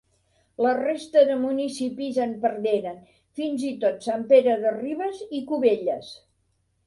La resta de municipis en perderen, fins i tot Sant Pere de Ribes i Cubelles.